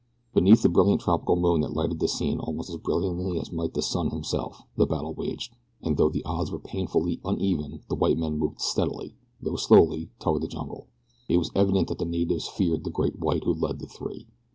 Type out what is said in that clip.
Beneath the brilliant tropic moon that lighted the scene almost as brilliantly as might the sun himself the battle waged, and though the odds were painfully uneven the white men moved steadily, though slowly, toward the jungle. It was evident that the natives feared the giant white who led the three.